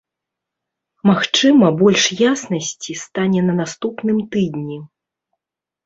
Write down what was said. Магчыма, больш яснасці стане на наступным тыдні.